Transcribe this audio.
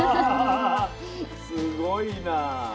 すごいなぁ。